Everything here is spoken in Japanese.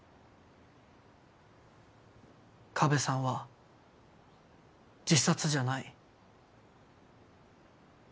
加部さんは自殺じゃない。